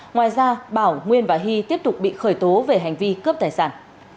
ngoài ra bảo nguyên và hy tiếp tục bị khởi tố về hành vi cướp tài sản